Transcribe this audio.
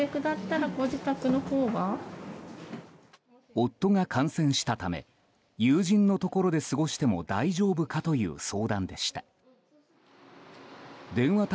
夫が感染したため友人のところで過ごしても大丈夫かという相談でした。